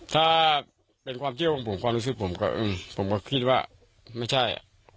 ถ้าเป็นความเชื่อของผมความรู้สึกผมก็ผมก็คิดว่าไม่ใช่